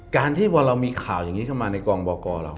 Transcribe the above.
การที่พอเรามีข่าวอย่างนี้เข้ามาในกองบกเรา